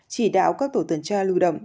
chỉ đạo các tổ tuần tra lưu động